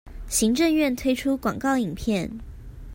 行政院推出廣告影片